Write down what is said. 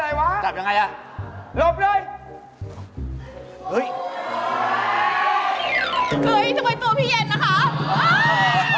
เฮ้ยทำไมตัวพี่เย็นนะคะ